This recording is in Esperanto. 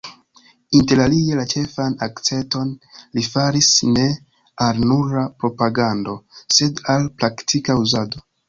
Interalie la ĉefan akcenton li faris ne al nura propagando, sed al praktika uzado.